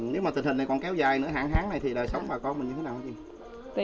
nếu mà tình hình này còn kéo dài nữa hàng tháng này thì đời sống bà con mình như thế nào hả chị